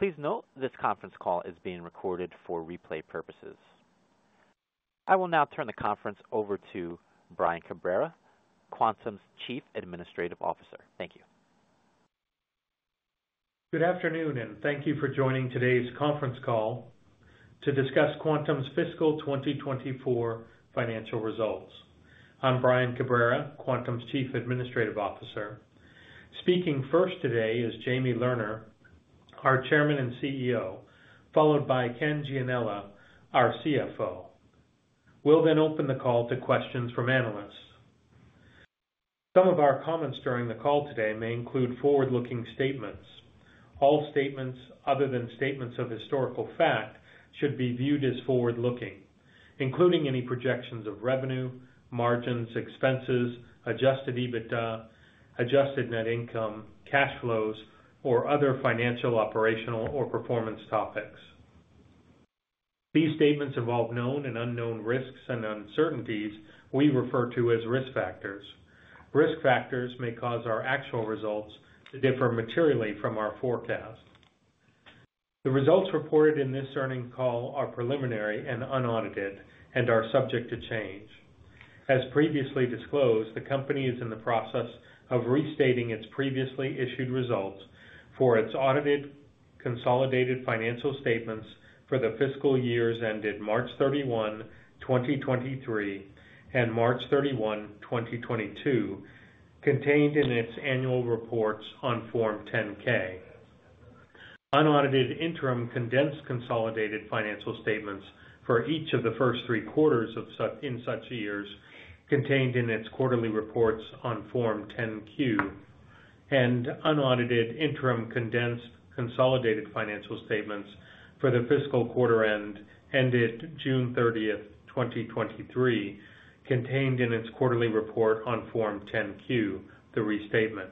Please note this conference call is being recorded for replay purposes. I will now turn the conference over to Brian Cabrera, Quantum's Chief Administrative Officer. Thank you. Good afternoon, and thank you for joining today's conference call to discuss Quantum's fiscal 2024 financial results. I'm Brian Cabrera, Quantum's Chief Administrative Officer. Speaking first today is Jamie Lerner, our Chairman and CEO, followed by Ken Gianella, our CFO. We'll then open the call to questions from analysts. Some of our comments during the call today may include forward-looking statements. All statements other than statements of historical fact should be viewed as forward-looking, including any projections of revenue, margins, expenses, adjusted EBITDA, adjusted net income, cash flows, or other financial, operational, or performance topics. These statements involve known and unknown risks and uncertainties we refer to as risk factors. Risk factors may cause our actual results to differ materially from our forecast. The results reported in this earnings call are preliminary and unaudited and are subject to change. As previously disclosed, the company is in the process of restating its previously issued results for its audited consolidated financial statements for the fiscal years ended March 31, 2023, and March 31, 2022, contained in its annual reports on Form 10-K. Unaudited interim condensed consolidated financial statements for each of the first three quarters in such years contained in its quarterly reports on Form 10-Q, and unaudited interim condensed consolidated financial statements for the fiscal quarter ended June 30, 2023, contained in its quarterly report on Form 10-Q, the restatement.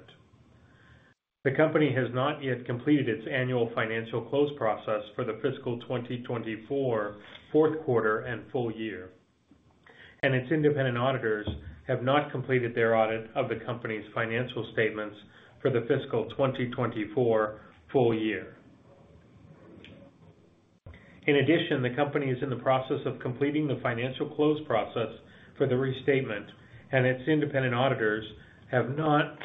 The company has not yet completed its annual financial close process for the fiscal 2024 fourth quarter and full year, and its independent auditors have not completed their audit of the company's financial statements for the fiscal 2024 full year. In addition, the company is in the process of completing the financial close process for the restatement, and its independent auditors have not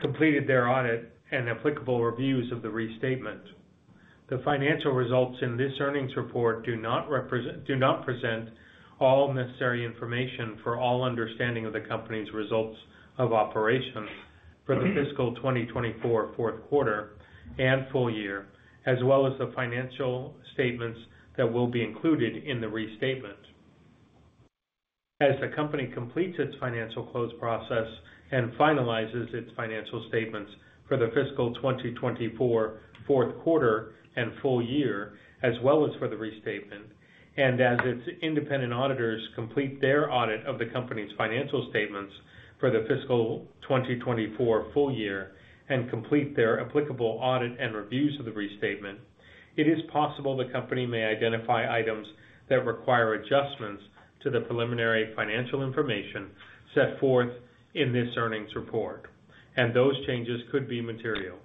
completed their audit and applicable reviews of the restatement. The financial results in this earnings report do not present all necessary information for all understanding of the company's results of operations for the fiscal 2024 fourth quarter and full year, as well as the financial statements that will be included in the restatement. As the company completes its financial close process and finalizes its financial statements for the fiscal 2024 fourth quarter and full year, as well as for the restatement, and as its independent auditors complete their audit of the company's financial statements for the fiscal 2024 full year and complete their applicable audit and reviews of the restatement, it is possible the company may identify items that require adjustments to the preliminary financial information set forth in this earnings report, and those changes could be material.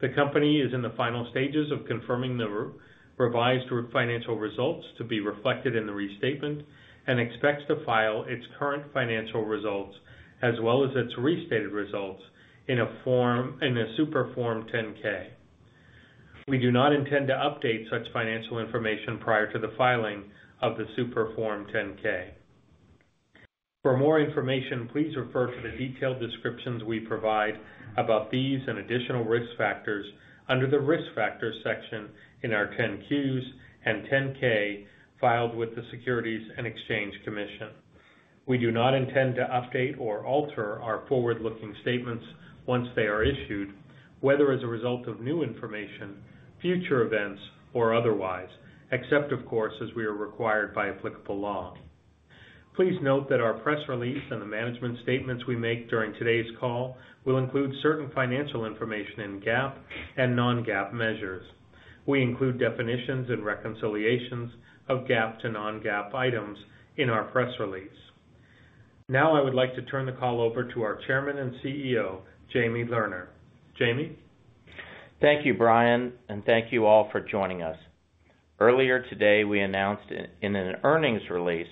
The company is in the final stages of confirming the revised financial results to be reflected in the restatement and expects to file its current financial results as well as its restated results in a Super Form 10-K. We do not intend to update such financial information prior to the filing of the Super Form 10-K. For more information, please refer to the detailed descriptions we provide about these and additional risk factors under the risk factors section in our 10-Qs and 10-K filed with the Securities and Exchange Commission. We do not intend to update or alter our forward-looking statements once they are issued, whether as a result of new information, future events, or otherwise, except, of course, as we are required by applicable law. Please note that our press release and the management statements we make during today's call will include certain financial information in GAAP and non-GAAP measures. We include definitions and reconciliations of GAAP to non-GAAP items in our press release. Now, I would like to turn the call over to our Chairman and CEO, Jamie Lerner. Jamie? Thank you, Brian, and thank you all for joining us. Earlier today, we announced in an earnings release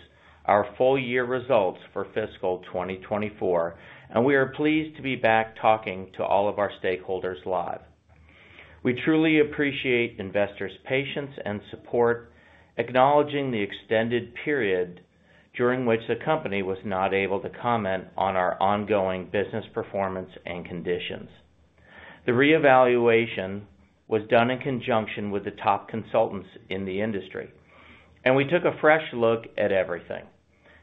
our full year results for fiscal 2024, and we are pleased to be back talking to all of our stakeholders live. We truly appreciate investors' patience and support, acknowledging the extended period during which the company was not able to comment on our ongoing business performance and conditions. The reevaluation was done in conjunction with the top consultants in the industry, and we took a fresh look at everything,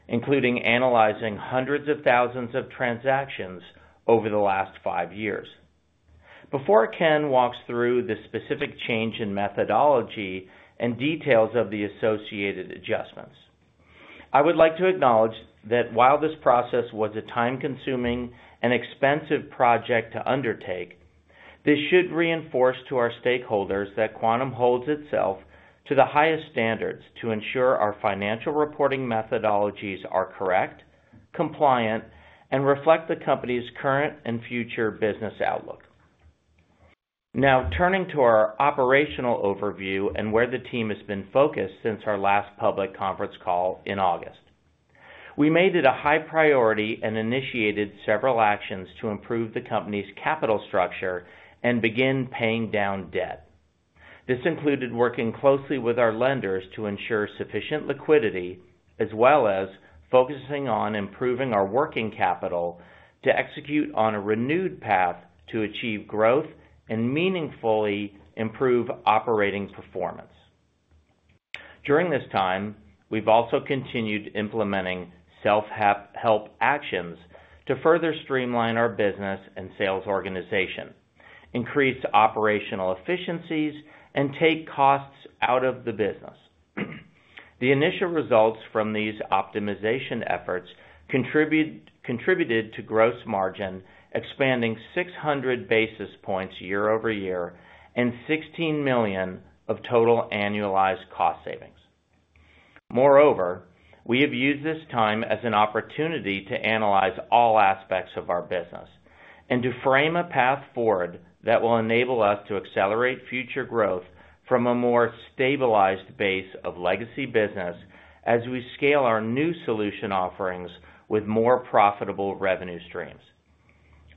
including analyzing hundreds of thousands of transactions over the last five years. Before Ken walks through the specific change in methodology and details of the associated adjustments, I would like to acknowledge that while this process was a time-consuming and expensive project to undertake, this should reinforce to our stakeholders that Quantum holds itself to the highest standards to ensure our financial reporting methodologies are correct, compliant, and reflect the company's current and future business outlook. Now, turning to our operational overview and where the team has been focused since our last public conference call in August, we made it a high priority and initiated several actions to improve the company's capital structure and begin paying down debt. This included working closely with our lenders to ensure sufficient liquidity, as well as focusing on improving our working capital to execute on a renewed path to achieve growth and meaningfully improve operating performance. During this time, we've also continued implementing self-help actions to further streamline our business and sales organization, increase operational efficiencies, and take costs out of the business. The initial results from these optimization efforts contributed to gross margin expanding 600 basis points year-over-year and $16 million of total annualized cost savings. Moreover, we have used this time as an opportunity to analyze all aspects of our business and to frame a path forward that will enable us to accelerate future growth from a more stabilized base of legacy business as we scale our new solution offerings with more profitable revenue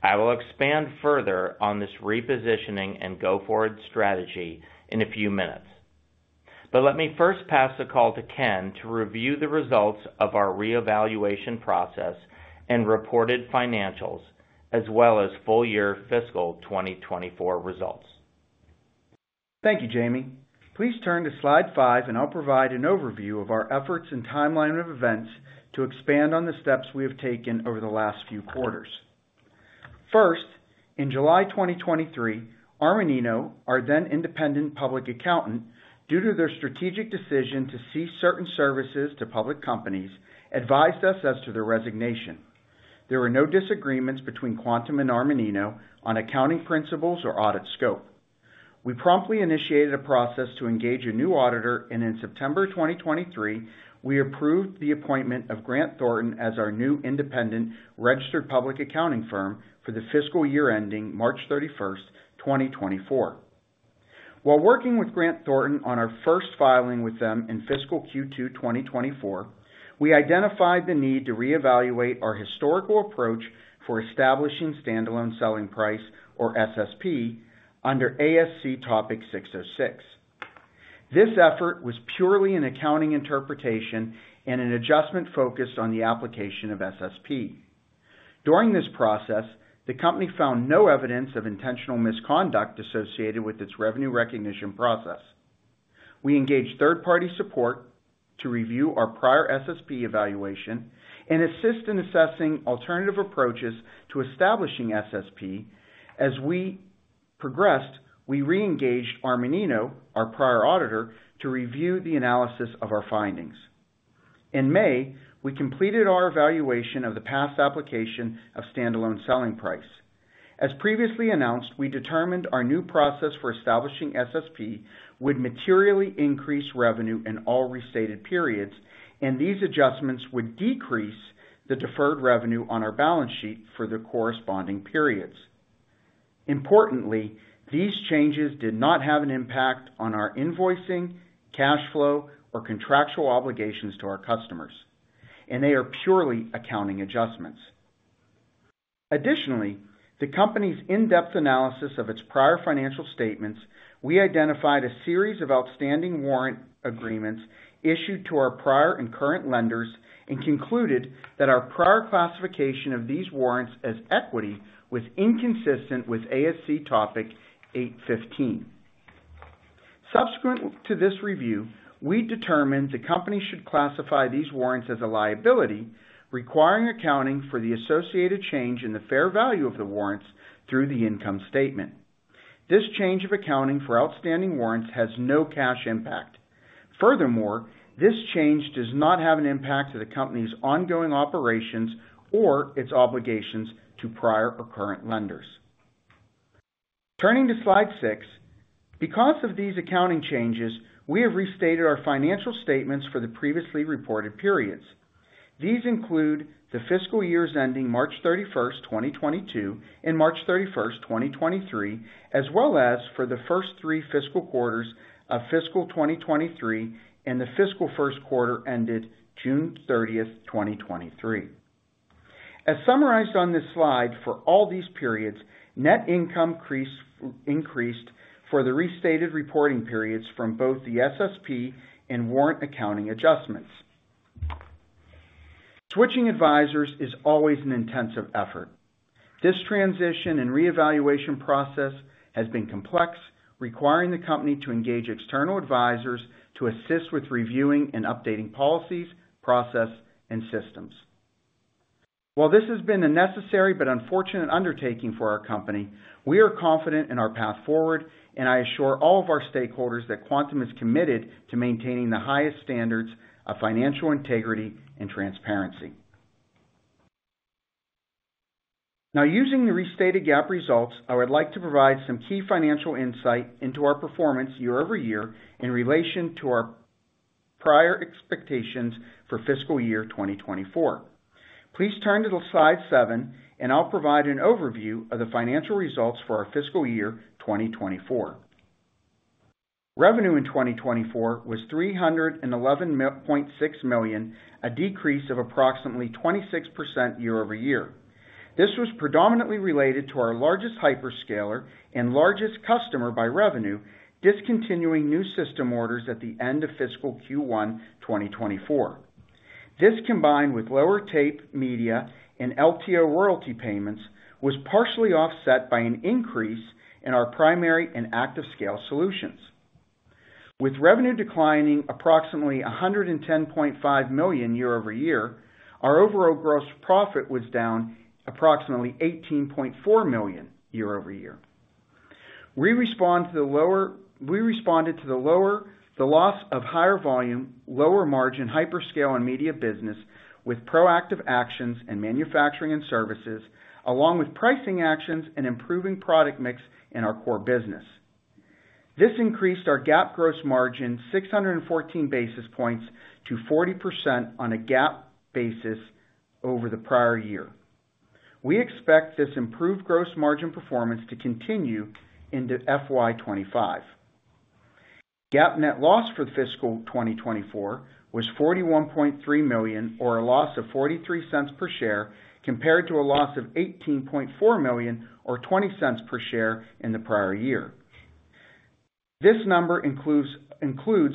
streams. I will expand further on this repositioning and go-forward strategy in a few minutes, but let me first pass the call to Ken to review the results of our reevaluation process and reported financials, as well as full-year fiscal 2024 results. Thank you, Jamie. Please turn to slide 5, and I'll provide an overview of our efforts and timeline of events to expand on the steps we have taken over the last few quarters. First, in July 2023, Armanino, our then-independent public accountant, due to their strategic decision to cease certain services to public companies, advised us of their resignation. There were no disagreements between Quantum and Armanino on accounting principles or audit scope. We promptly initiated a process to engage a new auditor, and in September 2023, we approved the appointment of Grant Thornton as our new independent registered public accounting firm for the fiscal year ending March 31, 2024. While working with Grant Thornton on our first filing with them in fiscal Q2 2024, we identified the need to reevaluate our historical approach for establishing standalone selling price, or SSP, under ASC Topic 606. This effort was purely an accounting interpretation and an adjustment focused on the application of SSP. During this process, the company found no evidence of intentional misconduct associated with its revenue recognition process. We engaged third-party support to review our prior SSP evaluation and assist in assessing alternative approaches to establishing SSP. As we progressed, we re-engaged Armanino, our prior auditor, to review the analysis of our findings. In May, we completed our evaluation of the past application of Standalone Selling Price. As previously announced, we determined our new process for establishing SSP would materially increase revenue in all restated periods, and these adjustments would decrease the deferred revenue on our balance sheet for the corresponding periods. Importantly, these changes did not have an impact on our invoicing, cash flow, or contractual obligations to our customers, and they are purely accounting adjustments. Additionally, the company's in-depth analysis of its prior financial statements, we identified a series of outstanding warrant agreements issued to our prior and current lenders and concluded that our prior classification of these warrants as equity was inconsistent with ASC Topic 815. Subsequent to this review, we determined the company should classify these warrants as a liability, requiring accounting for the associated change in the fair value of the warrants through the income statement. This change of accounting for outstanding warrants has no cash impact. Furthermore, this change does not have an impact on the company's ongoing operations or its obligations to prior or current lenders. Turning to slide six, because of these accounting changes, we have restated our financial statements for the previously reported periods. These include the fiscal years ending March 31, 2022, and March 31, 2023, as well as for the first three fiscal quarters of fiscal 2023 and the fiscal first quarter ended June 30, 2023. As summarized on this slide, for all these periods, net income increased for the restated reporting periods from both the SSP and warrant accounting adjustments. Switching advisors is always an intensive effort. This transition and reevaluation process has been complex, requiring the company to engage external advisors to assist with reviewing and updating policies, process, and systems. While this has been a necessary but unfortunate undertaking for our company, we are confident in our path forward, and I assure all of our stakeholders that Quantum is committed to maintaining the highest standards of financial integrity and transparency. Now, using the restated GAAP results, I would like to provide some key financial insight into our performance year-over-year in relation to our prior expectations for fiscal year 2024. Please turn to slide 7, and I'll provide an overview of the financial results for our fiscal year 2024. Revenue in 2024 was $311.6 million, a decrease of approximately 26% year-over-year. This was predominantly related to our largest hyperscaler and largest customer by revenue discontinuing new system orders at the end of fiscal Q1 2024. This, combined with lower tape media and LTO royalty payments, was partially offset by an increase in our primary and ActiveScale solutions. With revenue declining approximately $110.5 million year-over-year, our overall gross profit was down approximately $18.4 million year-over-year. We responded to the lower loss from higher volume, lower margin hyperscale and media business with proactive actions in manufacturing and services, along with pricing actions and improving product mix in our core business. This increased our GAAP gross margin 614 basis points to 40% on a GAAP basis over the prior year. We expect this improved gross margin performance to continue into FY25. GAAP net loss for fiscal 2024 was $41.3 million, or a loss of $0.43 per share, compared to a loss of $18.4 million, or $0.20 per share in the prior year. This number includes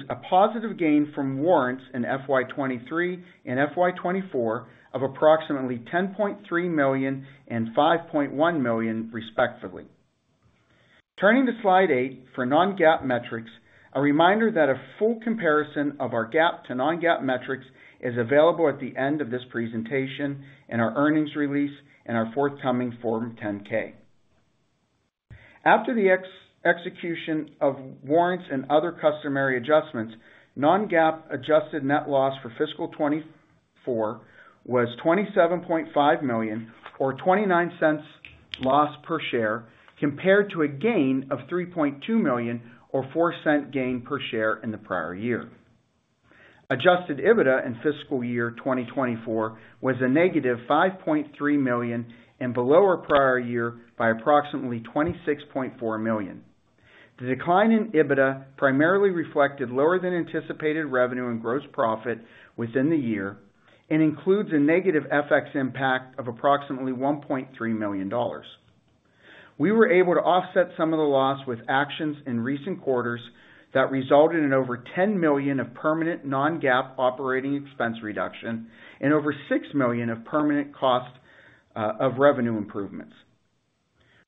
a positive gain from warrants in FY23 and FY24 of approximately $10.3 million and $5.1 million, respectively. Turning to slide 8 for non-GAAP metrics, a reminder that a full comparison of our GAAP to non-GAAP metrics is available at the end of this presentation in our earnings release and our forthcoming Form 10-K. After the execution of warrants and other customary adjustments, non-GAAP adjusted net loss for fiscal 2024 was $27.5 million, or $0.29 loss per share, compared to a gain of $3.2 million, or $0.04 gain per share in the prior year. Adjusted EBITDA in fiscal year 2024 was -$5.3 million and below our prior year by approximately $26.4 million. The decline in EBITDA primarily reflected lower than anticipated revenue and gross profit within the year and includes a negative FX impact of approximately $1.3 million. We were able to offset some of the loss with actions in recent quarters that resulted in over $10 million of permanent non-GAAP operating expense reduction and over $6 million of permanent cost of revenue improvements.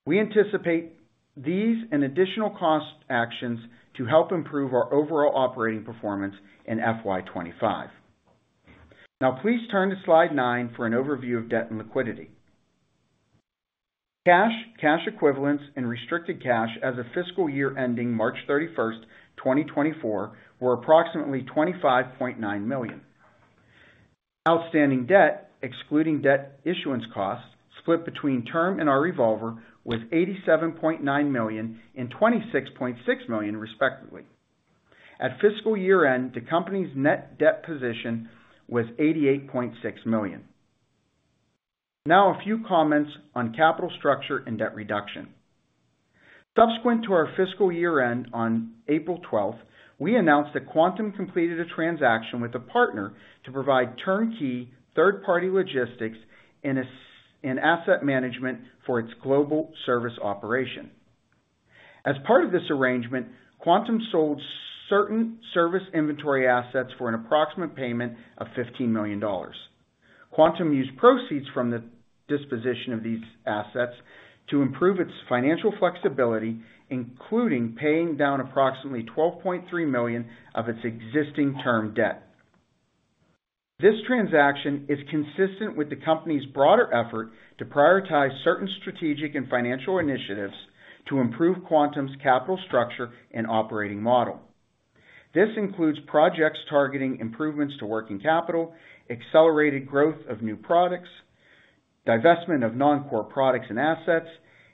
We anticipate these and additional cost actions to help improve our overall operating performance in FY25. Now, please turn to slide 9 for an overview of debt and liquidity. Cash, cash equivalents, and restricted cash as of fiscal year ending March 31, 2024, were approximately $25.9 million. Outstanding debt, excluding debt issuance costs, split between term and our revolver, was $87.9 million and $26.6 million, respectively. At fiscal year end, the company's net debt position was $88.6 million. Now, a few comments on capital structure and debt reduction. Subsequent to our fiscal year end on April 12, we announced that Quantum completed a transaction with a partner to provide turnkey third-party logistics and asset management for its global service operation. As part of this arrangement, Quantum sold certain service inventory assets for an approximate payment of $15 million. Quantum used proceeds from the disposition of these assets to improve its financial flexibility, including paying down approximately $12.3 million of its existing term debt. This transaction is consistent with the company's broader effort to prioritize certain strategic and financial initiatives to improve Quantum's capital structure and operating model. This includes projects targeting improvements to working capital, accelerated growth of new products, divestment of non-core products and assets,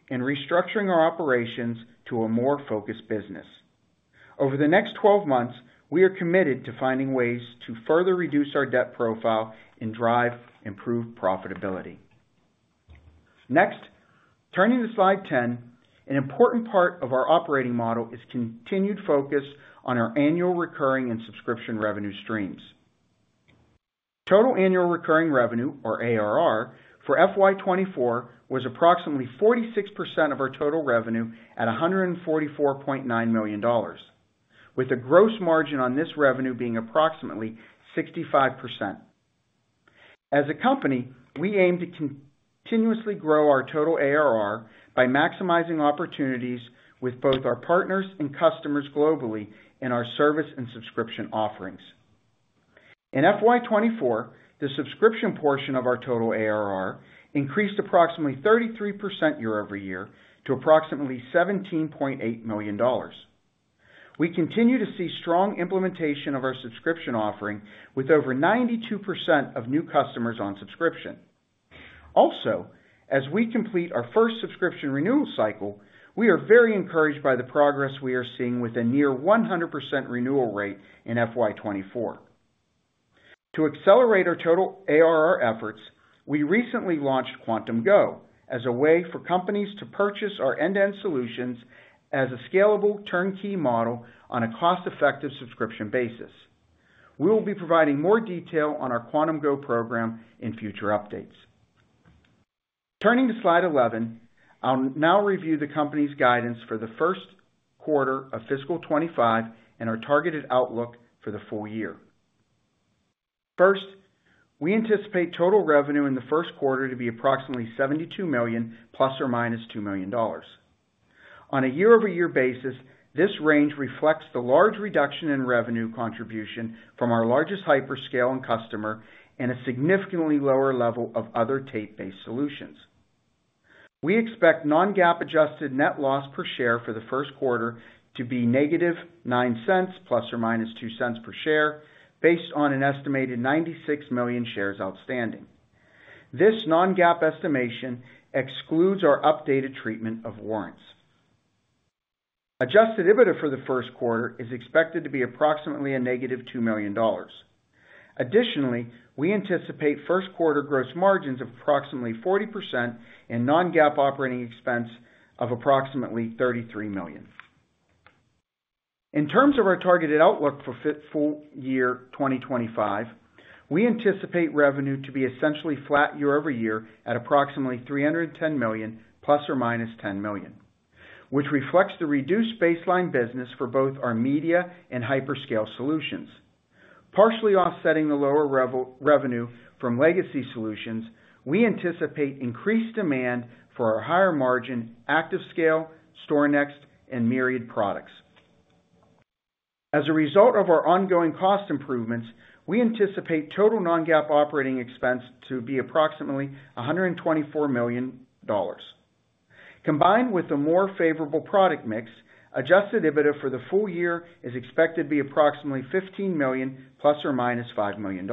and restructuring our operations to a more focused business. Over the next 12 months, we are committed to finding ways to further reduce our debt profile and drive improved profitability. Next, turning to slide 10, an important part of our operating model is continued focus on our annual recurring and subscription revenue streams. Total annual recurring revenue, or ARR, for FY24 was approximately 46% of our total revenue at $144.9 million, with a gross margin on this revenue being approximately 65%. As a company, we aim to continuously grow our total ARR by maximizing opportunities with both our partners and customers globally in our service and subscription offerings. In FY24, the subscription portion of our total ARR increased approximately 33% year-over-year to approximately $17.8 million. We continue to see strong implementation of our subscription offering, with over 92% of new customers on subscription. Also, as we complete our first subscription renewal cycle, we are very encouraged by the progress we are seeing with a near 100% renewal rate in FY24. To accelerate our total ARR efforts, we recently launched Quantum Go as a way for companies to purchase our end-to-end solutions as a scalable turnkey model on a cost-effective subscription basis. We will be providing more detail on our Quantum Go program in future updates. Turning to slide 11, I'll now review the company's guidance for the first quarter of fiscal 2025 and our targeted outlook for the full year. First, we anticipate total revenue in the first quarter to be approximately $72 million ± $2 million. On a year-over-year basis, this range reflects the large reduction in revenue contribution from our largest hyperscaler customer and a significantly lower level of other tape-based solutions. We expect non-GAAP adjusted net loss per share for the first quarter to be -$0.09 ± $0.02 per share, based on an estimated 96 million shares outstanding. This non-GAAP estimation excludes our updated treatment of warrants. Adjusted EBITDA for the first quarter is expected to be approximately -$2 million. Additionally, we anticipate first quarter gross margins of approximately 40% and non-GAAP operating expense of approximately $33 million. In terms of our targeted outlook for full year 2025, we anticipate revenue to be essentially flat year over year at approximately $310 million, ±$10 million, which reflects the reduced baseline business for both our media and hyperscale solutions. Partially offsetting the lower revenue from legacy solutions, we anticipate increased demand for our higher margin ActiveScale, StorNext, and Myriad products. As a result of our ongoing cost improvements, we anticipate total non-GAAP operating expense to be approximately $124 million. Combined with a more favorable product mix, adjusted EBITDA for the full year is expected to be approximately $15 million, ±$5 million.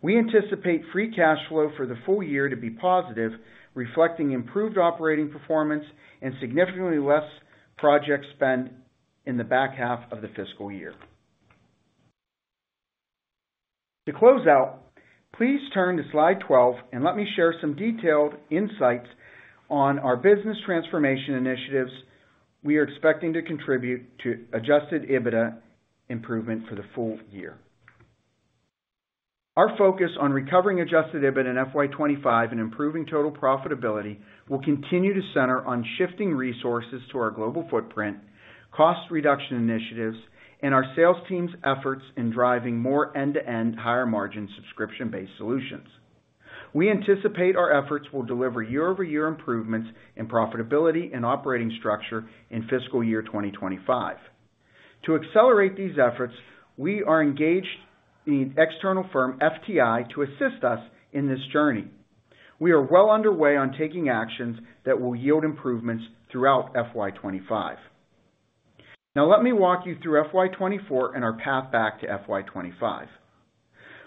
We anticipate free cash flow for the full year to be positive, reflecting improved operating performance and significantly less project spend in the back half of the fiscal year. To close out, please turn to slide 12 and let me share some detailed insights on our business transformation initiatives we are expecting to contribute to Adjusted EBITDA improvement for the full year. Our focus on recovering Adjusted EBITDA in FY2025 and improving total profitability will continue to center on shifting resources to our global footprint, cost reduction initiatives, and our sales team's efforts in driving more end-to-end higher margin subscription-based solutions. We anticipate our efforts will deliver year-over-year improvements in profitability and operating structure in fiscal year 2025. To accelerate these efforts, we are engaged in the external firm FTI to assist us in this journey. We are well underway on taking actions that will yield improvements throughout FY2025. Now, let me walk you through FY2024 and our path back to FY2025.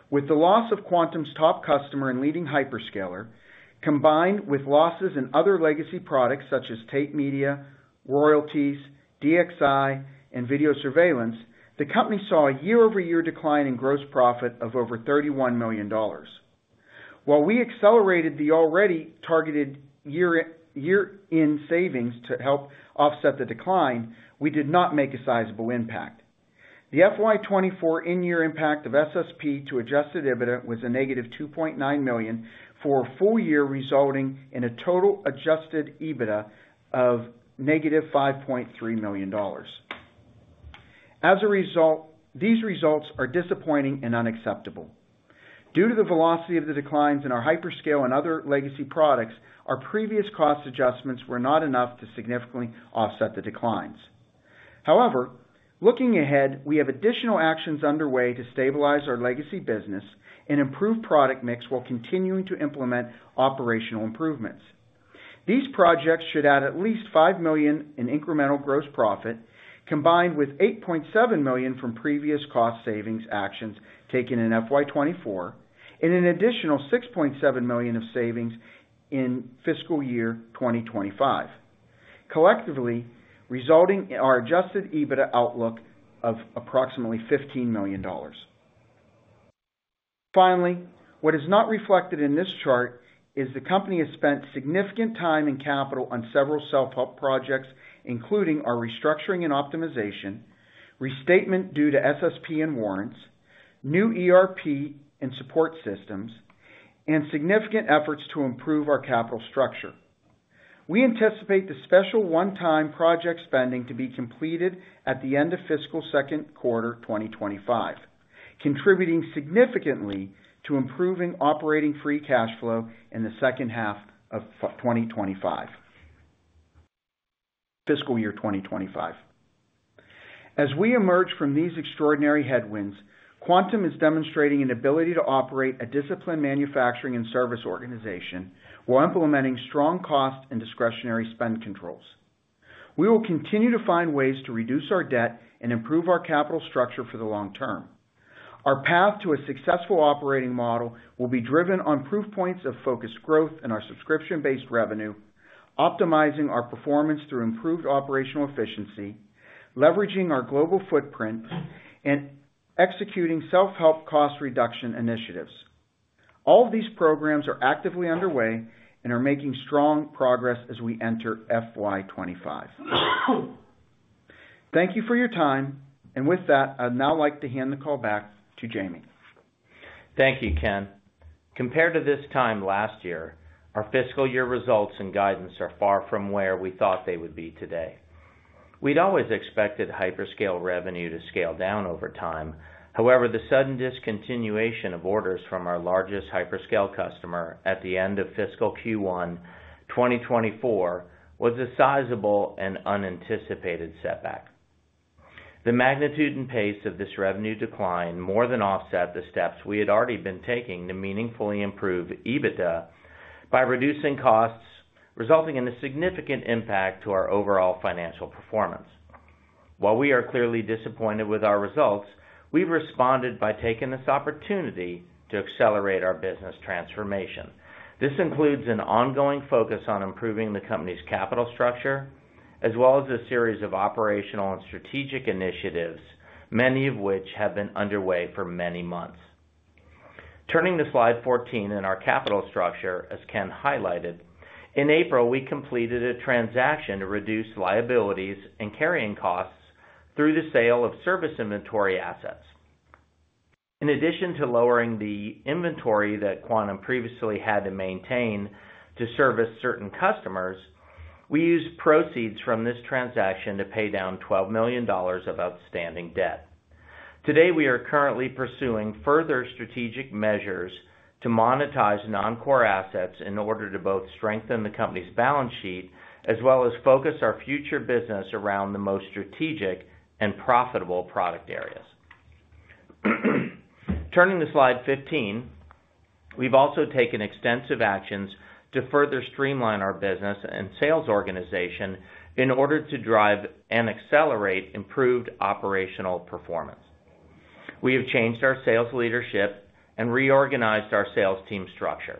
With the loss of Quantum's top customer and leading hyperscaler, combined with losses in other legacy products such as tape media, royalties, DXi, and video surveillance, the company saw a year-over-year decline in gross profit of over $31 million. While we accelerated the already targeted year-end savings to help offset the decline, we did not make a sizable impact. The FY2024 in-year impact of SSP to Adjusted EBITDA was a negative $2.9 million for a full year resulting in a total Adjusted EBITDA of negative $5.3 million. As a result, these results are disappointing and unacceptable. Due to the velocity of the declines in our hyperscale and other legacy products, our previous cost adjustments were not enough to significantly offset the declines. However, looking ahead, we have additional actions underway to stabilize our legacy business and improve product mix while continuing to implement operational improvements. These projects should add at least $5 million in incremental gross profit, combined with $8.7 million from previous cost savings actions taken in FY2024, and an additional $6.7 million of savings in fiscal year 2025. Collectively, resulting in our Adjusted EBITDA outlook of approximately $15 million. Finally, what is not reflected in this chart is the company has spent significant time and capital on several self-help projects, including our restructuring and optimization, restatement due to SSP and warrants, new ERP and support systems, and significant efforts to improve our capital structure. We anticipate the special one-time project spending to be completed at the end of fiscal second quarter 2025, contributing significantly to improving operating free cash flow in the second half of 2025 fiscal year 2025. As we emerge from these extraordinary headwinds, Quantum is demonstrating an ability to operate a disciplined manufacturing and service organization while implementing strong cost and discretionary spend controls. We will continue to find ways to reduce our debt and improve our capital structure for the long term. Our path to a successful operating model will be driven on proof points of focused growth in our subscription-based revenue, optimizing our performance through improved operational efficiency, leveraging our global footprint, and executing self-help cost reduction initiatives. All of these programs are actively underway and are making strong progress as we enter FY2025. Thank you for your time. And with that, I'd now like to hand the call back to Jamie. Thank you, Ken. Compared to this time last year, our fiscal year results and guidance are far from where we thought they would be today. We'd always expected hyperscale revenue to scale down over time. However, the sudden discontinuation of orders from our largest hyperscale customer at the end of fiscal Q1 2024 was a sizable and unanticipated setback. The magnitude and pace of this revenue decline more than offset the steps we had already been taking to meaningfully improve EBITDA by reducing costs, resulting in a significant impact to our overall financial performance. While we are clearly disappointed with our results, we've responded by taking this opportunity to accelerate our business transformation. This includes an ongoing focus on improving the company's capital structure, as well as a series of operational and strategic initiatives, many of which have been underway for many months. Turning to slide 14 in our capital structure, as Ken highlighted, in April, we completed a transaction to reduce liabilities and carrying costs through the sale of service inventory assets. In addition to lowering the inventory that Quantum previously had to maintain to service certain customers, we used proceeds from this transaction to pay down $12 million of outstanding debt. Today, we are currently pursuing further strategic measures to monetize non-core assets in order to both strengthen the company's balance sheet as well as focus our future business around the most strategic and profitable product areas. Turning to slide 15, we've also taken extensive actions to further streamline our business and sales organization in order to drive and accelerate improved operational performance. We have changed our sales leadership and reorganized our sales team structure.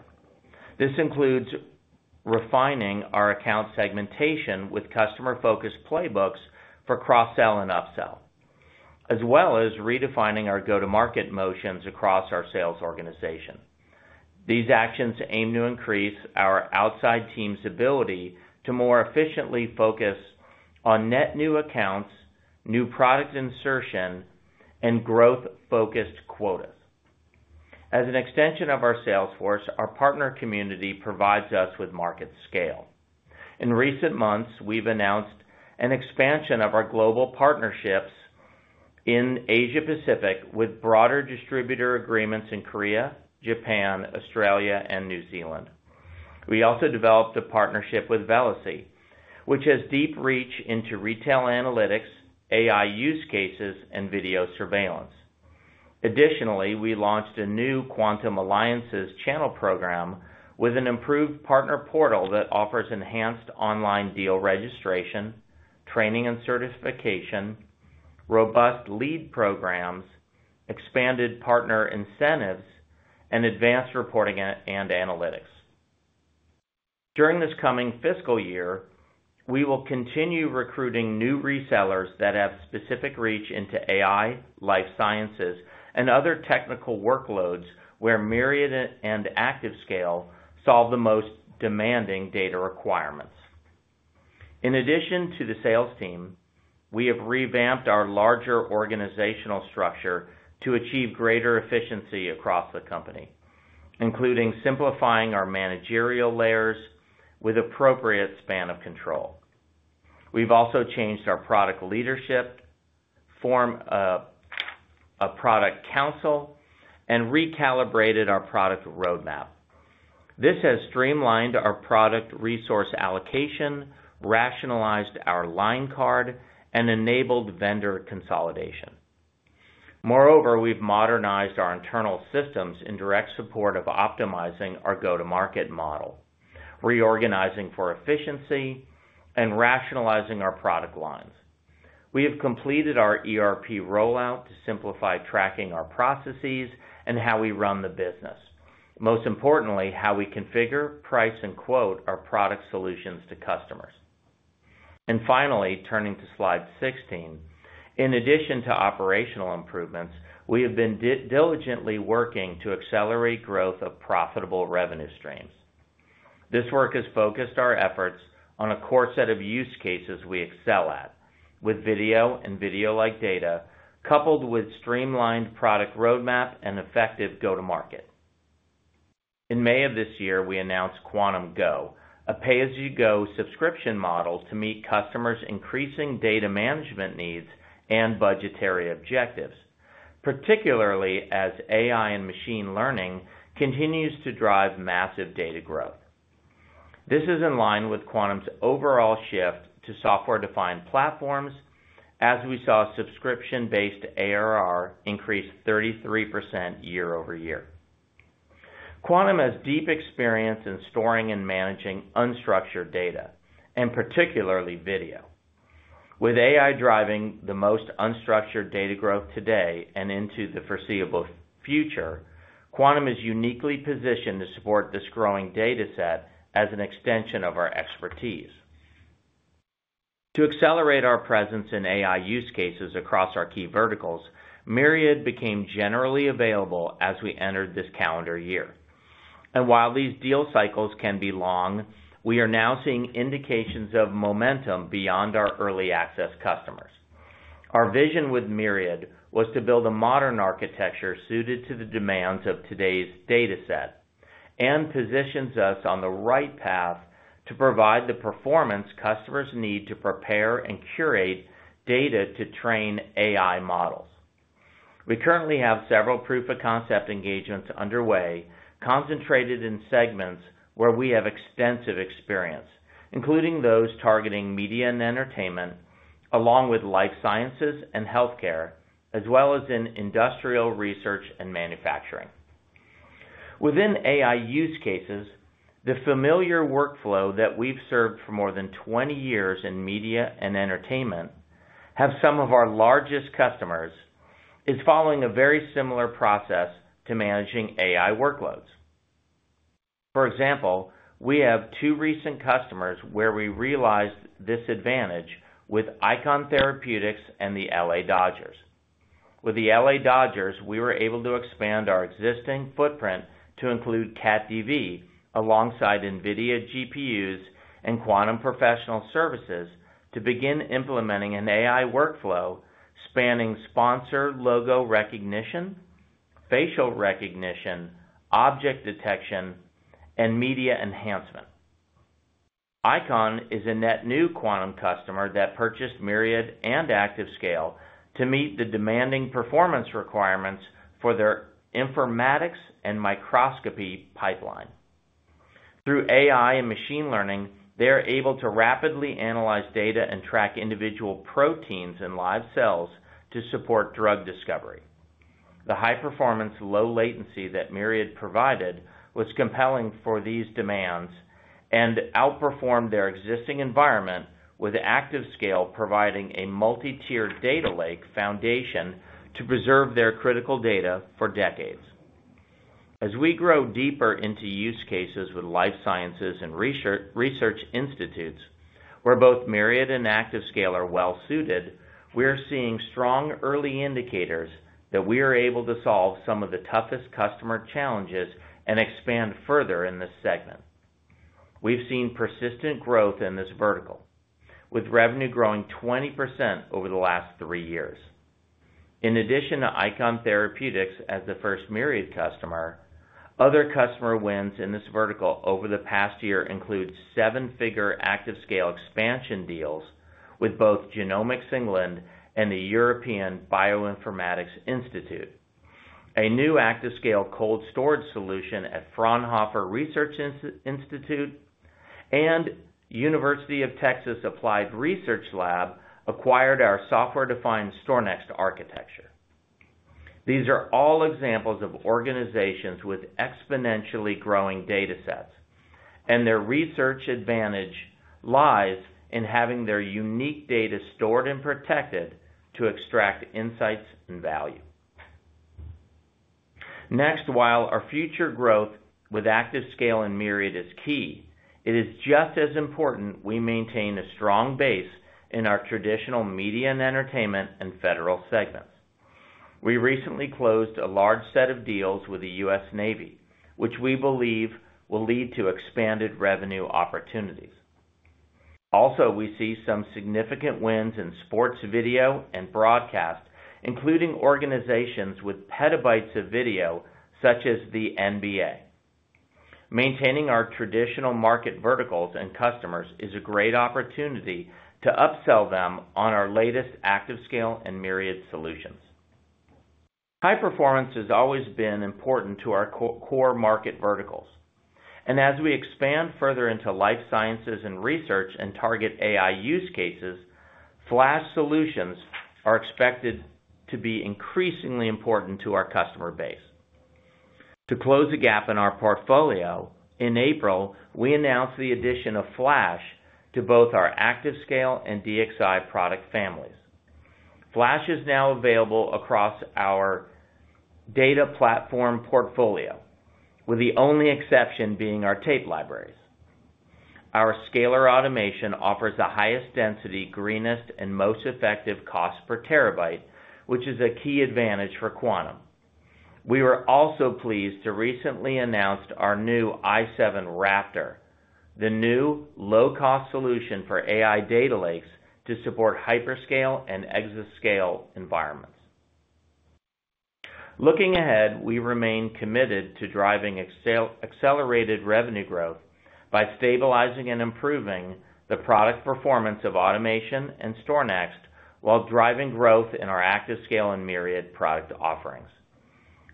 This includes refining our account segmentation with customer-focused playbooks for cross-sell and upsell, as well as redefining our go-to-market motions across our sales organization. These actions aim to increase our outside team's ability to more efficiently focus on net new accounts, new product insertion, and growth-focused quotas. As an extension of our salesforce, our partner community provides us with market scale. In recent months, we've announced an expansion of our global partnerships in Asia-Pacific with broader distributor agreements in Korea, Japan, Australia, and New Zealand. We also developed a partnership with Velasea, which has deep reach into retail analytics, AI use cases, and video surveillance. Additionally, we launched a new Quantum Alliances channel program with an improved partner portal that offers enhanced online deal registration, training and certification, robust lead programs, expanded partner incentives, and advanced reporting and analytics. During this coming fiscal year, we will continue recruiting new resellers that have specific reach into AI, life sciences, and other technical workloads where Myriad and ActiveScale solve the most demanding data requirements. In addition to the sales team, we have revamped our larger organizational structure to achieve greater efficiency across the company, including simplifying our managerial layers with appropriate span of control. We've also changed our product leadership, formed a product council, and recalibrated our product roadmap. This has streamlined our product resource allocation, rationalized our line card, and enabled vendor consolidation. Moreover, we've modernized our internal systems in direct support of optimizing our go-to-market model, reorganizing for efficiency, and rationalizing our product lines. We have completed our ERP rollout to simplify tracking our processes and how we run the business, most importantly, how we configure, price, and quote our product solutions to customers. And finally, turning to slide 16, in addition to operational improvements, we have been diligently working to accelerate growth of profitable revenue streams. This work has focused our efforts on a core set of use cases we excel at, with video and video-like data coupled with streamlined product roadmap and effective go-to-market. In May of this year, we announced Quantum Go, a pay-as-you-go subscription model to meet customers' increasing data management needs and budgetary objectives, particularly as AI and machine learning continues to drive massive data growth. This is in line with Quantum's overall shift to software-defined platforms, as we saw subscription-based ARR increase 33% year-over-year. Quantum has deep experience in storing and managing unstructured data, and particularly video. With AI driving the most unstructured data growth today and into the foreseeable future, Quantum is uniquely positioned to support this growing dataset as an extension of our expertise. To accelerate our presence in AI use cases across our key verticals, Myriad became generally available as we entered this calendar year. While these deal cycles can be long, we are now seeing indications of momentum beyond our early access customers. Our vision with Myriad was to build a modern architecture suited to the demands of today's dataset and positions us on the right path to provide the performance customers need to prepare and curate data to train AI models. We currently have several proof-of-concept engagements underway, concentrated in segments where we have extensive experience, including those targeting media and entertainment, along with life sciences and healthcare, as well as in industrial research and manufacturing. Within AI use cases, the familiar workflow that we've served for more than 20 years in media and entertainment have some of our largest customers is following a very similar process to managing AI workloads. For example, we have two recent customers where we realized this advantage with Eikon Therapeutics and the L.A. Dodgers. With the L.A. Dodgers, we were able to expand our existing footprint to include CatDV alongside NVIDIA GPUs and Quantum Professional Services to begin implementing an AI workflow spanning sponsor logo recognition, facial recognition, object detection, and media enhancement. Eikon is a net new Quantum customer that purchased Myriad and ActiveScale to meet the demanding performance requirements for their informatics and microscopy pipeline. Through AI and machine learning, they are able to rapidly analyze data and track individual proteins in live cells to support drug discovery. The high performance, low latency that Myriad provided was compelling for these demands and outperformed their existing environment, with ActiveScale providing a multi-tiered data lake foundation to preserve their critical data for decades. As we grow deeper into use cases with life sciences and research institutes where both Myriad and ActiveScale are well-suited, we are seeing strong early indicators that we are able to solve some of the toughest customer challenges and expand further in this segment. We've seen persistent growth in this vertical, with revenue growing 20% over the last three years. In addition to Eikon Therapeutics as the first Myriad customer, other customer wins in this vertical over the past year include seven-figure ActiveScale expansion deals with both Genomics England and the European Bioinformatics Institute, a new ActiveScale cold storage solution at Fraunhofer Institute, and Applied Research Laboratories, The University of Texas at Austin acquired our software-defined StorNext architecture. These are all examples of organizations with exponentially growing datasets, and their research advantage lies in having their unique data stored and protected to extract insights and value. Next, while our future growth with ActiveScale and Myriad is key, it is just as important we maintain a strong base in our traditional media and entertainment and federal segments. We recently closed a large set of deals with the U.S. Navy, which we believe will lead to expanded revenue opportunities. Also, we see some significant wins in sports, video, and broadcast, including organizations with petabytes of video such as the NBA. Maintaining our traditional market verticals and customers is a great opportunity to upsell them on our latest ActiveScale and Myriad solutions. High performance has always been important to our core market verticals. As we expand further into life sciences and research and target AI use cases, flash solutions are expected to be increasingly important to our customer base. To close the gap in our portfolio, in April, we announced the addition of flash to both our ActiveScale and DXi product families. flash is now available across our data platform portfolio, with the only exception being our tape libraries. Our Scalar automation offers the highest density, greenest, and most effective cost per terabyte, which is a key advantage for Quantum. We were also pleased to recently announce our new i7 Raptor, the new low-cost solution for AI data lakes to support hyperscale and exascale environments. Looking ahead, we remain committed to driving accelerated revenue growth by stabilizing and improving the product performance of automation and StorNext while driving growth in our ActiveScale and Myriad product offerings.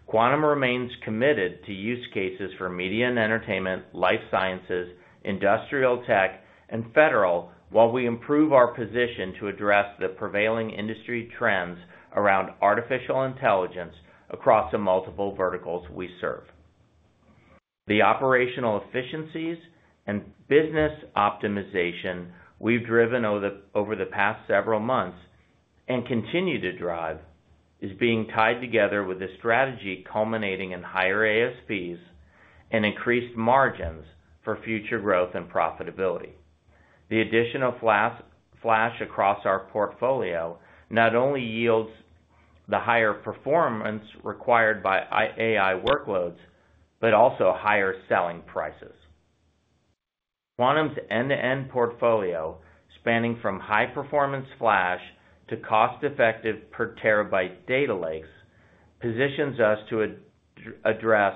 Quantum remains committed to use cases for media and entertainment, life sciences, industrial tech, and federal while we improve our position to address the prevailing industry trends around artificial intelligence across the multiple verticals we serve. The operational efficiencies and business optimization we've driven over the past several months and continue to drive is being tied together with a strategy culminating in higher ASPs and increased margins for future growth and profitability. The addition of flash across our portfolio not only yields the higher performance required by AI workloads, but also higher selling prices. Quantum's end-to-end portfolio, spanning from high-performance flash to cost-effective per terabyte data lakes, positions us to address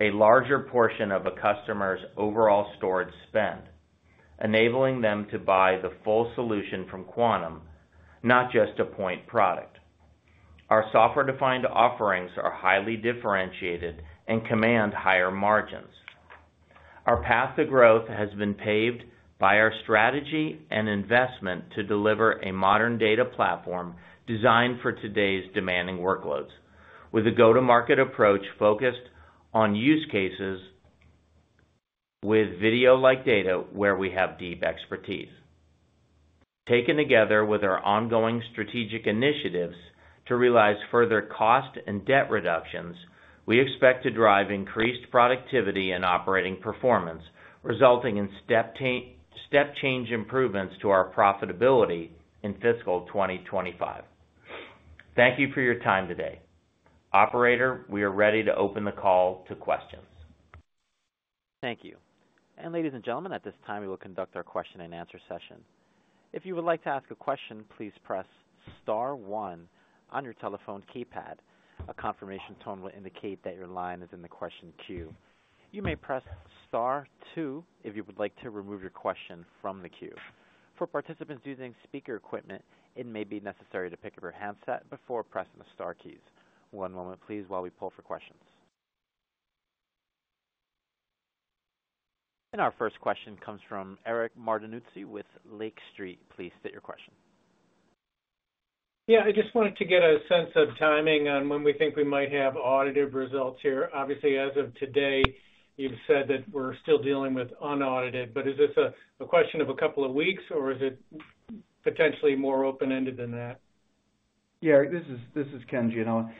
a larger portion of a customer's overall storage spend, enabling them to buy the full solution from Quantum, not just a point product. Our software-defined offerings are highly differentiated and command higher margins. Our path to growth has been paved by our strategy and investment to deliver a modern data platform designed for today's demanding workloads, with a go-to-market approach focused on use cases with video-like data where we have deep expertise. Taken together with our ongoing strategic initiatives to realize further cost and debt reductions, we expect to drive increased productivity and operating performance, resulting in step-change improvements to our profitability in fiscal 2025. Thank you for your time today. Operator, we are ready to open the call to questions. Thank you. And ladies and gentlemen, at this time, we will conduct our question-and-answer session. If you would like to ask a question, please press Star 1 on your telephone keypad. A confirmation tone will indicate that your line is in the question queue. You may press Star 2 if you would like to remove your question from the queue. For participants using speaker equipment, it may be necessary to pick up your handset before pressing the Star keys. One moment, please, while we pull for questions. And our first question comes from Eric Martinuzzi with Lake Street. Please state your question. Yeah, I just wanted to get a sense of timing on when we think we might have audited results here. Obviously, as of today, you've said that we're still dealing with unaudited, but is this a question of a couple of weeks, or is it potentially more open-ended than that? Yeah, this is Ken Gianella.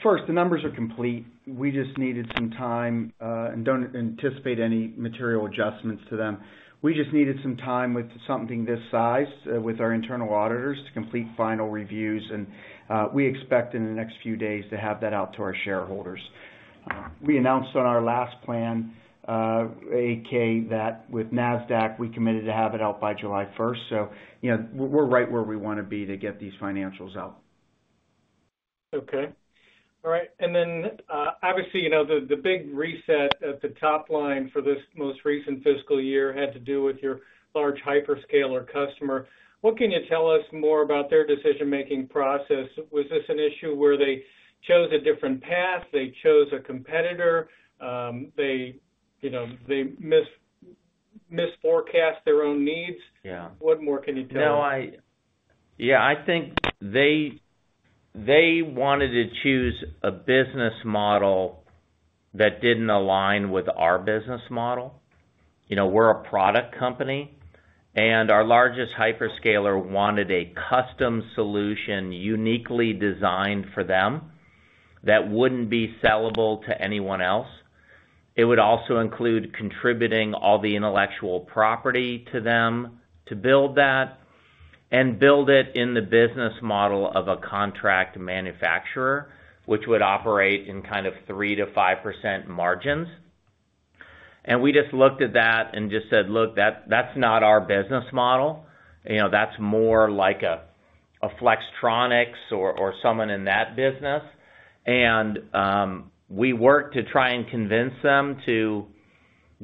First, the numbers are complete. We just needed some time and don't anticipate any material adjustments to them. We just needed some time with something this size with our internal auditors to complete final reviews, and we expect in the next few days to have that out to our shareholders. We announced on our last plan, 8-K. that with Nasdaq, we committed to have it out by July 1st. So we're right where we want to be to get these financials out. Okay. All right. And then, obviously, the big reset at the top line for this most recent fiscal year had to do with your large hyperscaler customer. What can you tell us more about their decision-making process? Was this an issue where they chose a different path? They chose a competitor? They misforecast their own needs? What more can you tell us? Yeah, I think they wanted to choose a business model that didn't align with our business model. We're a product company, and our largest hyperscaler wanted a custom solution uniquely designed for them that wouldn't be sellable to anyone else. It would also include contributing all the intellectual property to them to build that and build it in the business model of a contract manufacturer, which would operate in kind of 3%-5% margins. And we just looked at that and just said, "Look, that's not our business model. That's more like a Flextronics or someone in that business." And we worked to try and convince them to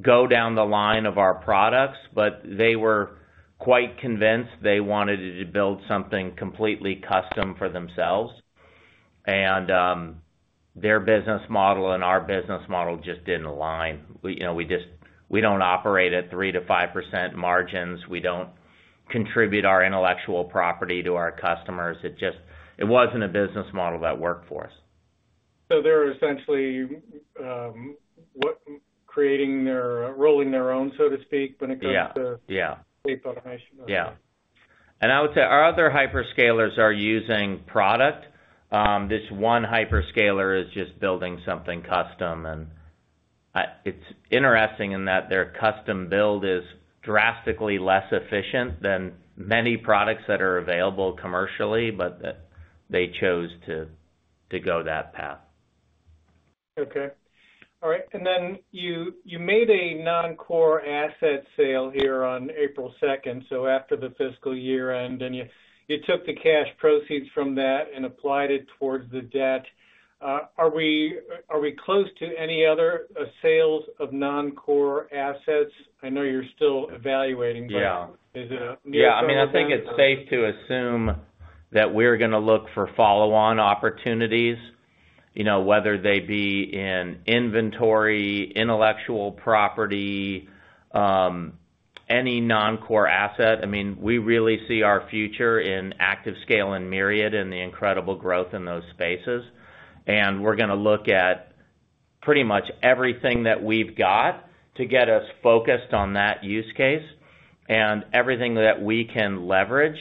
go down the line of our products, but they were quite convinced they wanted to build something completely custom for themselves. And their business model and our business model just didn't align. We don't operate at 3%-5% margins. We don't contribute our intellectual property to our customers. It wasn't a business model that worked for us. So they're essentially creating their rolling their own, so to speak, when it comes to tape automation. Yeah. And I would say our other hyperscalers are using product. This one hyperscaler is just building something custom. And it's interesting in that their custom build is drastically less efficient than many products that are available commercially, but they chose to go that path. Okay. All right. And then you made a non-core asset sale here on April 2nd, so after the fiscal year end, and you took the cash proceeds from that and applied it towards the debt. Are we close to any other sales of non-core assets? I know you're still evaluating, but is it a near-term? Yeah. I mean, I think it's safe to assume that we're going to look for follow-on opportunities, whether they be in inventory, intellectual property, any non-core asset. I mean, we really see our future in ActiveScale and Myriad and the incredible growth in those spaces. And we're going to look at pretty much everything that we've got to get us focused on that use case and everything that we can leverage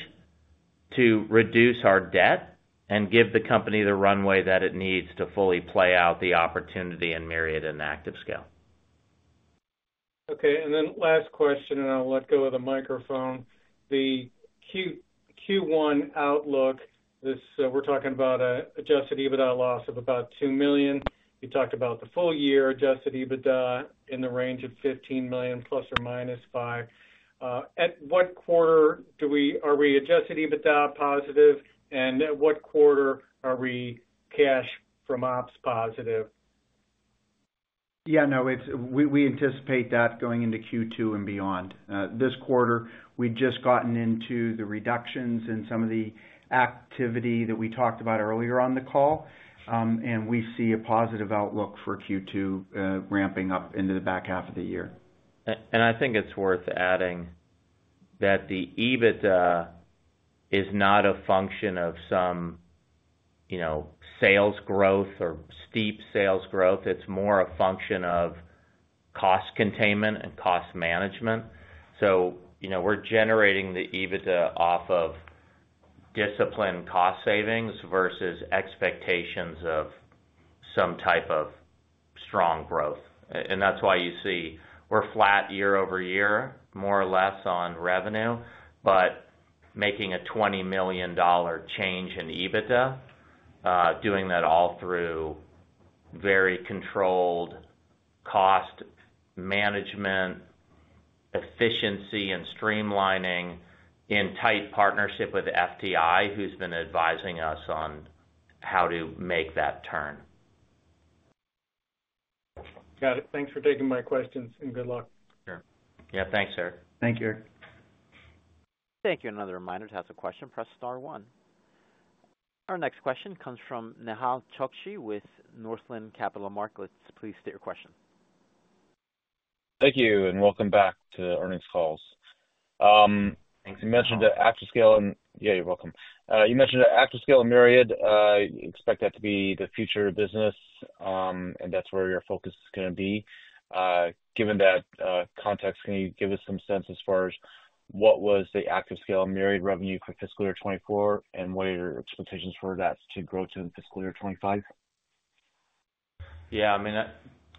to reduce our debt and give the company the runway that it needs to fully play out the opportunity in Myriad and ActiveScale. Okay. And then last question, and I'll let go of the microphone. The Q1 outlook, we're talking about Adjusted EBITDA loss of about $2 million. You talked about the full-year Adjusted EBITDA in the range of $15 million plus or minus 5. At what quarter are we Adjusted EBITDA positive, and at what quarter are we cash from ops positive? Yeah, no, we anticipate that going into Q2 and beyond. This quarter, we've just gotten into the reductions in some of the activity that we talked about earlier on the call, and we see a positive outlook for Q2 ramping up into the back half of the year. I think it's worth adding that the EBITDA is not a function of some sales growth or steep sales growth. It's more a function of cost containment and cost management. So we're generating the EBITDA off of disciplined cost savings versus expectations of some type of strong growth. And that's why you see we're flat year-over-year, more or less on revenue, but making a $20 million change in EBITDA, doing that all through very controlled cost management, efficiency, and streamlining in tight partnership with FTI, who's been advising us on how to make that turn. Got it. Thanks for taking my questions and good luck. Sure. Yeah, thanks, Eric. Thank you. Thank you. Another reminder to ask a question, press Star 1. Our next question comes from Nehal Chokshi with Northland Capital Markets. Please state your question. Thank you. And welcome back to the earnings calls. Thanks. You mentioned ActiveScale and yeah, you're welcome. You mentioned ActiveScale and Myriad. You expect that to be the future business, and that's where your focus is going to be. Given that context, can you give us some sense as far as what was the ActiveScale and Myriad revenue for fiscal year 2024, and what are your expectations for that to grow to in fiscal year 2025? Yeah. I mean,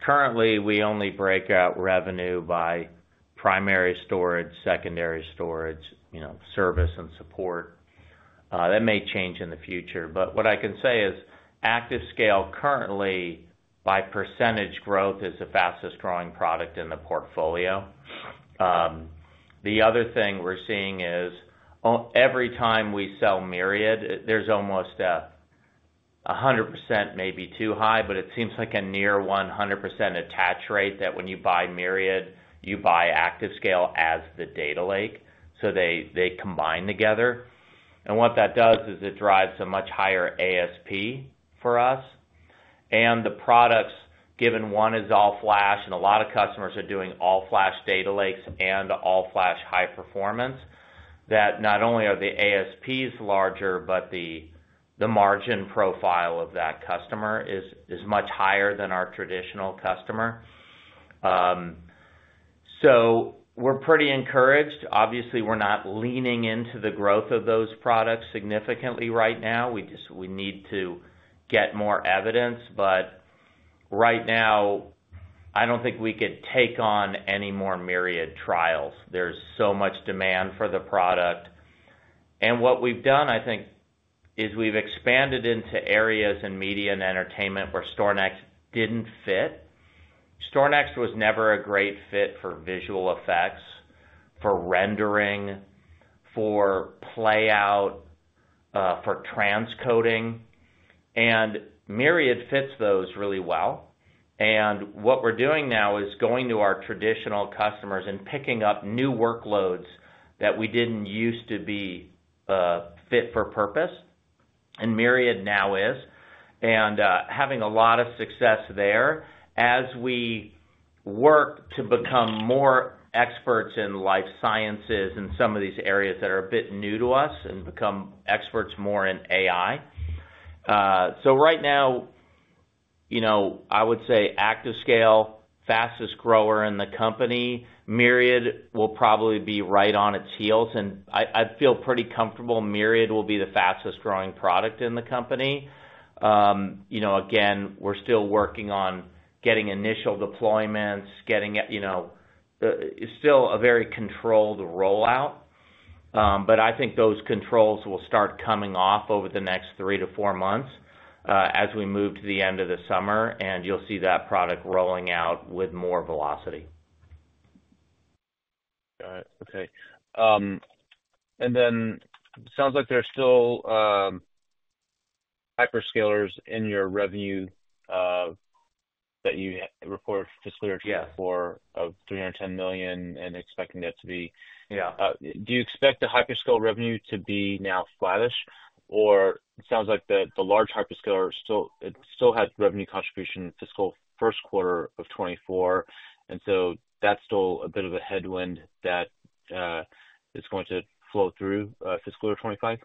currently, we only break out revenue by primary storage, secondary storage, service, and support. That may change in the future. But what I can say is ActiveScale currently, by percentage growth, is the fastest growing product in the portfolio. The other thing we're seeing is every time we sell Myriad, there's almost a 100%, maybe too high, but it seems like a near 100% attach rate that when you buy Myriad, you buy ActiveScale as the data lake. So they combine together. And what that does is it drives a much higher ASP for us. And the products, given one is all-flash and a lot of customers are doing all-flash data lakes and all-flash high performance, that not only are the ASPs larger, but the margin profile of that customer is much higher than our traditional customer. So we're pretty encouraged. Obviously, we're not leaning into the growth of those products significantly right now. We need to get more evidence. But right now, I don't think we could take on any more Myriad trials. There's so much demand for the product. And what we've done, I think, is we've expanded into areas in media and entertainment where StorNext didn't fit. StorNext was never a great fit for visual effects, for rendering, for playout, for transcoding. And Myriad fits those really well. And what we're doing now is going to our traditional customers and picking up new workloads that we didn't use to be fit for purpose, and Myriad now is, and having a lot of success there as we work to become more experts in life sciences and some of these areas that are a bit new to us and become experts more in AI. So right now, I would say ActiveScale, fastest grower in the company, Myriad will probably be right on its heels. And I feel pretty comfortable Myriad will be the fastest growing product in the company. Again, we're still working on getting initial deployments, getting it still a very controlled rollout. But I think those controls will start coming off over the next 3-4 months as we move to the end of the summer, and you'll see that product rolling out with more velocity. Got it. Okay. And then it sounds like there's still hyperscalers in your revenue that you report fiscally or for of $310 million and expecting that to be. Do you expect the hyperscale revenue to be now flattish? Or it sounds like the large hyperscaler, it still had revenue contribution fiscal first quarter of 2024. And so that's still a bit of a headwind that is going to flow through fiscal year 2025?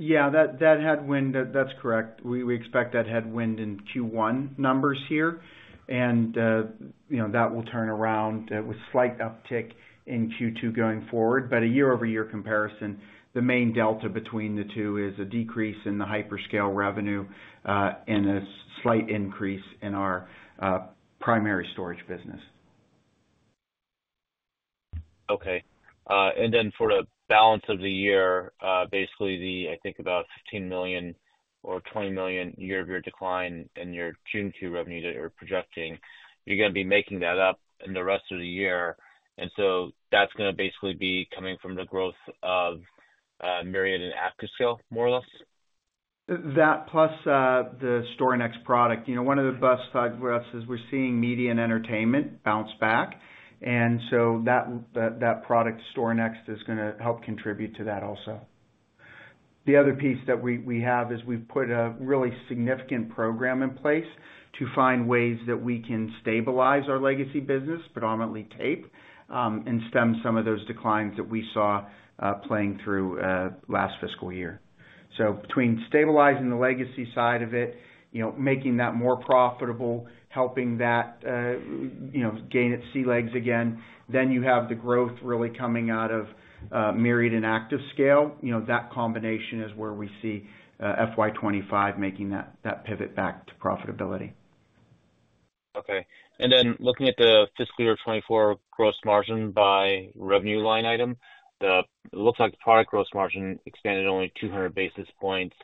Yeah, that headwind, that's correct. We expect that headwind in Q1 numbers here. And that will turn around with slight uptick in Q2 going forward. But a year-over-year comparison, the main delta between the two is a decrease in the hyperscale revenue and a slight increase in our primary storage business. Okay. And then for the balance of the year, basically, I think about $15 million or $20 million year-over-year decline in your Q2 revenue that you're projecting, you're going to be making that up in the rest of the year. And so that's going to basically be coming from the growth of Myriad and ActiveScale, more or less? That plus the StorNext product. One of the big things for us is we're seeing media and entertainment bounce back. And so that product, StorNext, is going to help contribute to that also. The other piece that we have is we've put a really significant program in place to find ways that we can stabilize our legacy business, predominantly tape, and stem some of those declines that we saw playing through last fiscal year. So between stabilizing the legacy side of it, making that more profitable, helping that gain its sea legs again, then you have the growth really coming out of Myriad and ActiveScale. That combination is where we see FY2025 making that pivot back to profitability. Okay. And then looking at the fiscal year 2024 gross margin by revenue line item, it looks like product gross margin expanded only 200 basis points.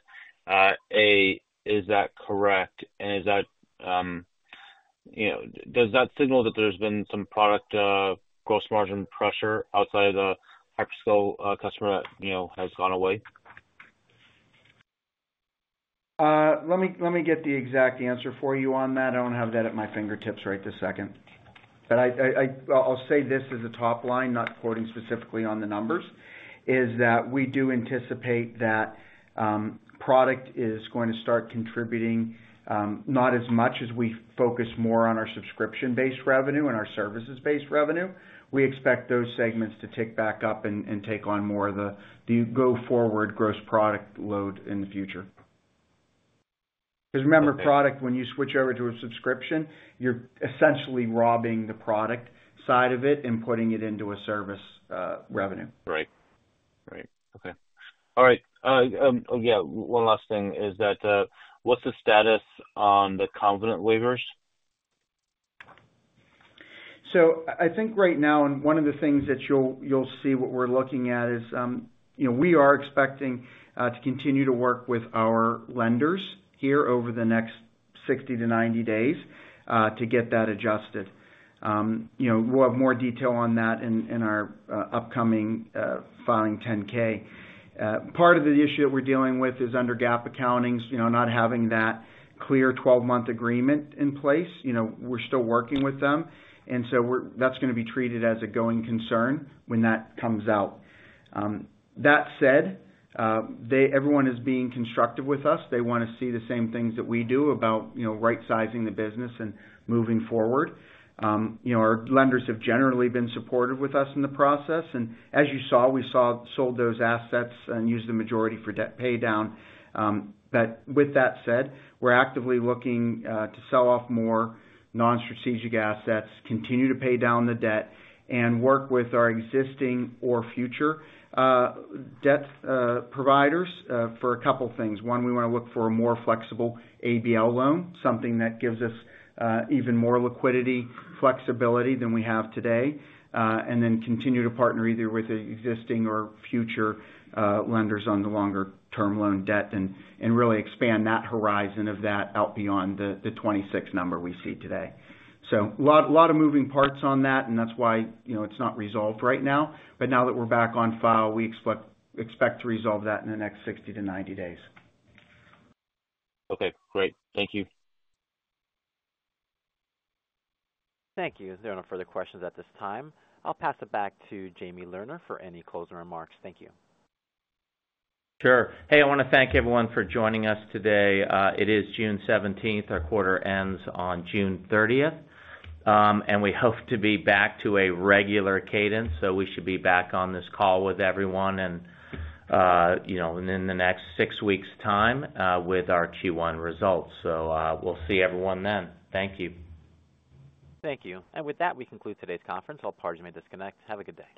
Is that correct? And does that signal that there's been some product gross margin pressure outside of the hyperscale customer that has gone away? Let me get the exact answer for you on that. I don't have that at my fingertips right this second. But I'll say this as a top line, not quoting specifically on the numbers, is that we do anticipate that product is going to start contributing not as much as we focus more on our subscription-based revenue and our services-based revenue. We expect those segments to tick back up and take on more of the go-forward gross product load in the future. Because remember, product, when you switch over to a subscription, you're essentially robbing the product side of it and putting it into a service revenue. Right. Right. Okay. All right. Yeah. One last thing is that what's the status on the covenant waivers? So I think right now, and one of the things that you'll see what we're looking at is we are expecting to continue to work with our lenders here over the next 60 to 90 days to get that adjusted. We'll have more detail on that in our upcoming filing 10-K. Part of the issue that we're dealing with is under GAAP accounting, not having that clear 12-month agreement in place. We're still working with them. And so that's going to be treated as a going concern when that comes out. That said, everyone is being constructive with us. They want to see the same things that we do about right-sizing the business and moving forward. Our lenders have generally been supportive with us in the process. And as you saw, we sold those assets and used the majority for debt pay down. But with that said, we're actively looking to sell off more non-strategic assets, continue to pay down the debt, and work with our existing or future debt providers for a couple of things. One, we want to look for a more flexible ABL loan, something that gives us even more liquidity, flexibility than we have today, and then continue to partner either with existing or future lenders on the longer-term loan debt and really expand that horizon of that out beyond the 2026 number we see today. So a lot of moving parts on that, and that's why it's not resolved right now. But now that we're back on file, we expect to resolve that in the next 60-90 days. Okay. Great. Thank you. Thank you. There are no further questions at this time. I'll pass it back to Jamie Lerner for any closing remarks. Thank you. Sure. Hey, I want to thank everyone for joining us today. It is June 17th. Our quarter ends on June 30th. We hope to be back to a regular cadence. We should be back on this call with everyone in the next six weeks' time with our Q1 results. We'll see everyone then. Thank you. Thank you. With that, we conclude today's conference. I'll pardon my disconnect. Have a good day.